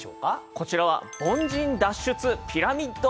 こちらは凡人脱出ピラミッドでございます。